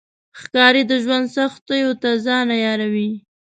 ښکاري د ژوند سختیو ته ځان عیاروي.